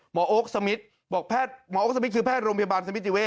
หมอโอ๊คสมิทบอกหมอโอ๊คสมิทคือแพทย์โรงพยาบาลสมิทรีเวศ